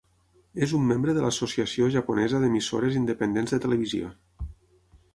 És un membre de l'Associació Japonesa d'Emissores Independents de Televisió.